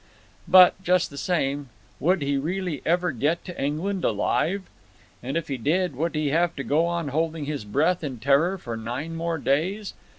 But—just the same, would he really ever get to England alive? And if he did, would he have to go on holding his breath in terror for nine more days?